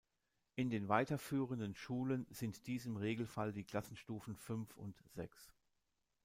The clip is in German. In den weiterführenden Schulen sind dies im Regelfall die Klassenstufen fünf und sechs.